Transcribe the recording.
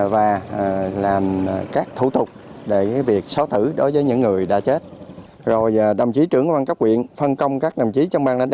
và làm các công dân đủ điều kiện cấp căn cứ công dân